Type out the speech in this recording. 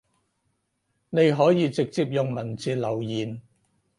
你可以直接用文字留言